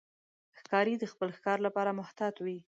ښکاري د خپل ښکار لپاره محتاط وي.